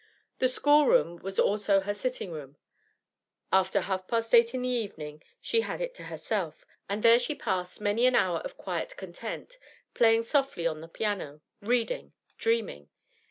The school room was also her sitting room. After half past eight in the evening she had it to herself, and there she passed many an hour of quiet content, playing softly on the piano, reading, dreaming.